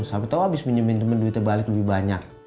siapa tau abis pinjemin temen duitnya balik lebih banyak